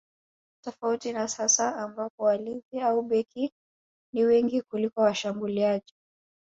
Tofauti na sasa ambapo walinzi au beki ni wengi kuliko washambuliaji